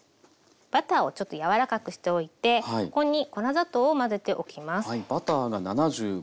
バターをちょっと柔らかくしておいてここに粉砂糖を混ぜておきます。